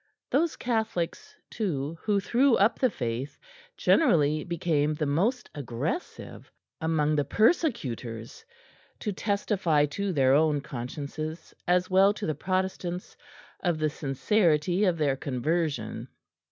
Those Catholics too who threw up the Faith generally became the most aggressive among the persecutors, to testify to their own consciences, as well to the Protestants, of the sincerity of their conversion.